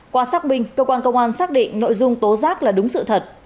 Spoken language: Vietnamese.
qua xác minh cơ quan công an xác định nội dung tố giác là đúng sự thật